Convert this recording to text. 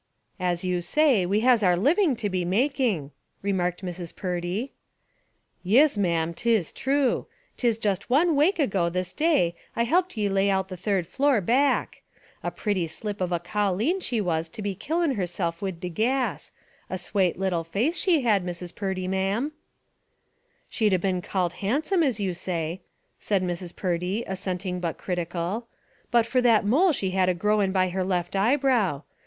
"As you say, we has our living to be making," remarked Mrs. Purdy. "Yis, ma'am; 'tis true. 'Tis just one wake ago this day I helped ye lay out the third floor, back. A pretty slip of a colleen she was to be killin' herself wid the gas — a swate little face she had, Mrs. Purdy, ma'am." "She'd a been called handsome, as you say," said Mrs. Purdy, assenting but critical, "but for that mole she had a growin' by her left eyebrow.